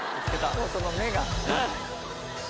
もうその目が。